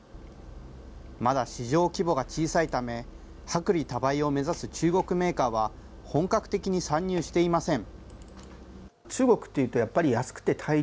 まだ市場規模が小さいため、薄利多売を目指す中国メーカーは、本格的に参入していません。